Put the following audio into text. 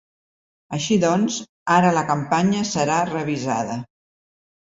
Així doncs, ara la campanya serà revisada.